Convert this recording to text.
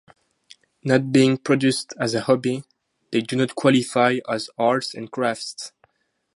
Not being produced as a hobby, they do not qualify as arts and crafts.